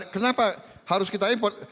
kenapa harus kita import